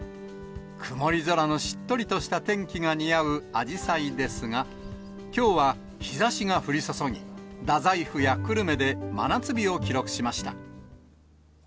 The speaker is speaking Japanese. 曇り空のしっとりとした天気が似合うあじさいですが、きょうは日ざしが降り注ぎ、太宰府や久留米で真夏日を記録しました。